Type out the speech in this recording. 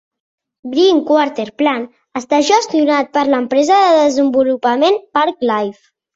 "Green Quarter Plan" està gestionat per l'empresa de desenvolupament Parc Life.